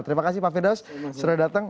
terima kasih pak firdaus sudah datang